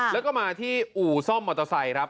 แล้วก็มาที่อู่ซ่อมมอเตอร์ไซค์ครับ